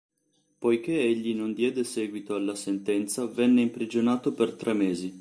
Poiché egli non diede seguito alla sentenza venne imprigionato per tre mesi.